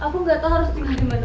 gue gak mau sama sekali